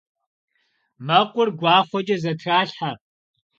Мэкъур гуахъуэкӏэ зэтралъхьэ.